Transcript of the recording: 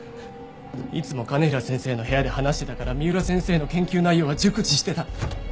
いつも兼平先生の部屋で話してたから三浦先生の研究内容は熟知してた。